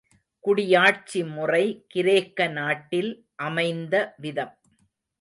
குடியாட்சி முறை கிரேக்க நாட்டில் அமைந்த விதம்.